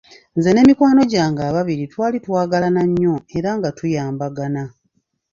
Nze ne mikwano gyange ababiri twali twagalana nnyo era nga tuyambagana.